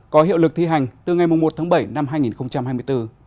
có hiệu lực thi hành từ ngày một tháng bảy năm hai nghìn hai mươi bốn